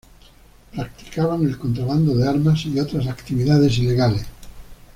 Practicaban el contrabando de armas y otras actividades ilegales.